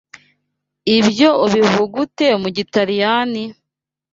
Ibyo ubivuga ute mu Gitaliyani?